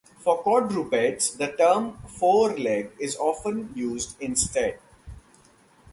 For quadrupeds, the term foreleg is often used instead.